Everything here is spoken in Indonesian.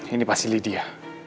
ini pasti lydia